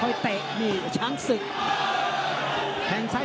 คนพาสวิสาธิสามขาด